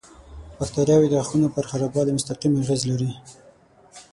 باکتریاوې د غاښونو پر خرابوالي مستقیم اغېز لري.